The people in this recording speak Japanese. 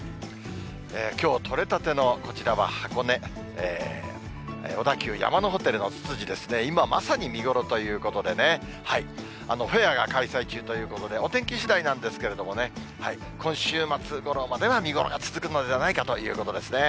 きょう、撮れたてのこちらは箱根、小田急山のホテルのつつじですね、今まさに見頃ということでね、フェアが開催中ということで、お天気しだいなんですけれどもね、今週末ごろまでは見頃が続くのではないかということですね。